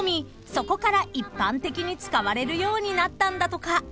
そこから一般的に使われるようになったんだとか］